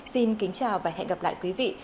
xin kính chào và hẹn gặp lại quý vị